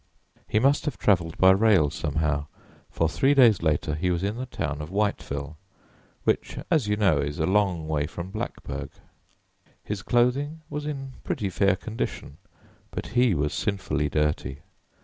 He must have travelled by rail, somehow, for three days later he was in the town of Whiteville, which, as you know, is a long way from Blackburg. His clothing was in pretty fair condition, but he was sinfully dirty.